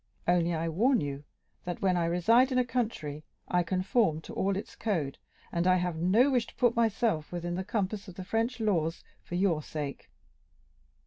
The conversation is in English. Only I warn you, that when I reside in a country, I conform to all its code, and I have no wish to put myself within the compass of the French laws for your sake."